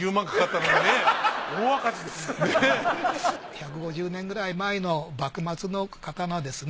１５０年くらい前の幕末の刀ですね。